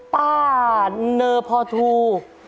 ป้าเนอร์พอทู